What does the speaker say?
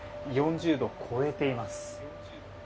４０度を超えています。